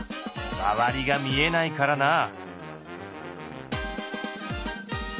周りが見えないからなあ。